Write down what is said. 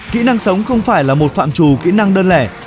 kỹ năng sống không phải là một phạm trù kỹ năng đơn lẻ